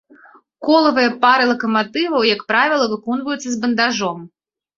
Колавыя пары лакаматываў, як правіла, выконваюцца з бандажом.